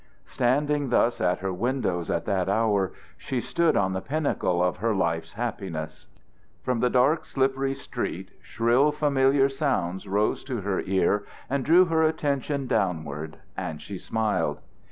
Standing thus at her windows at that hour, she stood on the pinnacle of her life's happiness. From the dark slippery street shrill familiar sounds rose to her ear and drew her attention downward and she smiled.